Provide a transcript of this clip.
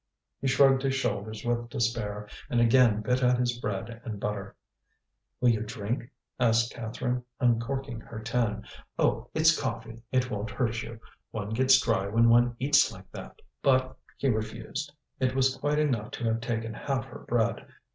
He shrugged his shoulders with despair, and again bit at his bread and butter. "Will you drink?" asked Catherine, uncorking her tin. "Oh, it's coffee, it won't hurt you. One gets dry when one eats like that." But he refused; it was quite enough to have taken half her bread.